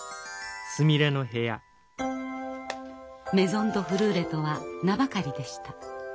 メゾン・ド・フルーレとは名ばかりでした。